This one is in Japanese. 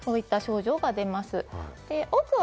そういった症状が出ます。